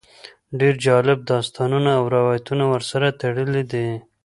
ډېر جالب داستانونه او روایتونه ورسره تړلي دي.